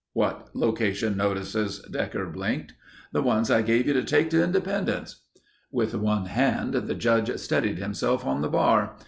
"What location notices?" Decker blinked. "The ones I gave you to take to Independence." With one hand the Judge steadied himself on the bar.